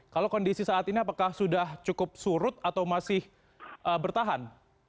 kalau kondisi saat ini apakah sudah cukup surut atau masih bertahan